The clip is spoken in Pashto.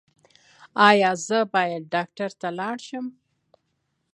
ایا زه باید ډاکټر ته لاړ شم؟